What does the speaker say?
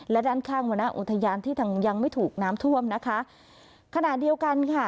และด้านข้างวรรณอุทยานที่ทางยังไม่ถูกน้ำท่วมนะคะขณะเดียวกันค่ะ